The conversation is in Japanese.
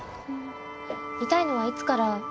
痛いのはいつから？